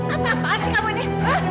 apa apaan sih kamu ini